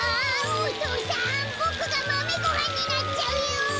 お父さんボクがマメごはんになっちゃうよ！